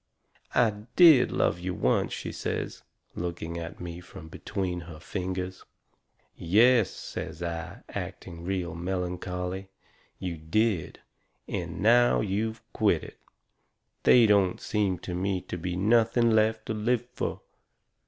"I DID love you once," she says, looking at me from between her fingers. "Yes," says I, acting real melancholy, "you did. And now you've quit it, they don't seem to me to be nothing left to live fur."